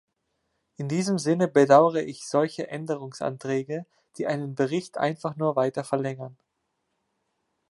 In diesem Sinne bedauere ich solche Änderungsanträge, die einen Bericht einfach nur weiter verlängern.